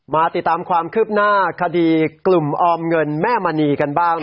มาติดตามความคืบหน้าคดีกลุ่มออมเงินแม่มณีกันบ้าง